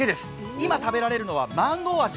今、食べられるのはマンゴー味。